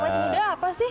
awet muda apa sih